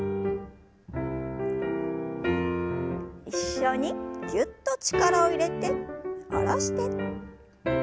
一緒にぎゅっと力を入れて下ろして。